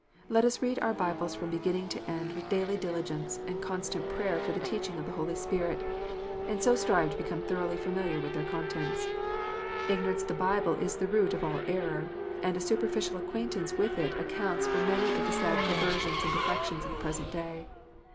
Let us read our Bibles from beginning to end with daily diligence, and constant prayer for the teaching of the Holy Spirit, and so strive to become thoroughly familiar with their contents. Ignorance of the Bible is the root of all error, and a superficial acquaintance with it accounts for many of the sad perversions and defections of the present day.